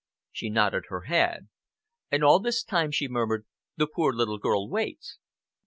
She nodded her head. "And all this time," she murmured, "the poor little girl waits!"